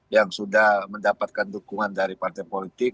yang sudah mendapatkan dukungan dari partai politik